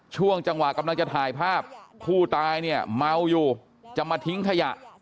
ช่วงจังหวะกำลังจะถ่ายภาพผู้ตายเนี่ยเมาอยู่จะมาทิ้งขยะ